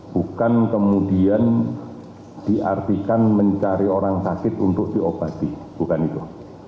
bukan kemudian diartikan mencari orang sakit untuk diobati bukan itu